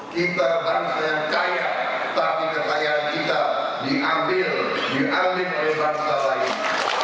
kita bangsa yang kaya tapi kekayaan kita diambil diambil oleh bangsa lain